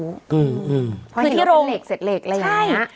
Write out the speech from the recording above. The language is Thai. อืมอืมเพราะเห็นแล้วเสร็จเหล็กเสร็จเหล็กอะไรอย่างนี้ใช่